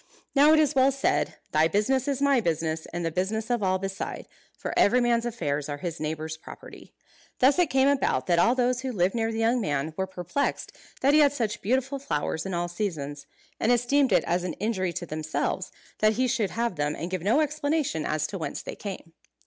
Now it is well said, "Thy business is my business, and the business of all beside;" for every man's affairs are his neighbours' property. Thus it came about that all those who lived near the young man were perplexed that he had such beautiful flowers in all seasons; and esteemed it as an injury to themselves that he should have them and give no explanation as to whence they came.